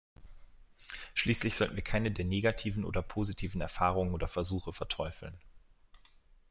Schließlich sollten wir keine der negativen oder positiven Erfahrungen oder Versuche verteufeln.